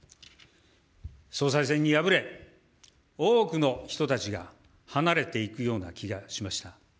総裁選に敗れ、多くの人たちが離れていくような気がしました。